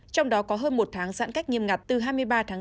trong đó có hơn một tháng giãn cách nghiêm ngặt từ hai mươi ba tháng bốn